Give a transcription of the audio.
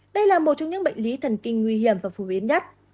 đây là một trong những bệnh lý thần kinh nguy hiểm và phổ biến nhất